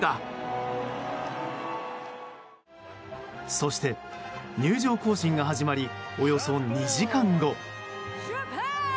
そして入場行進が始まりおよそ２時間後。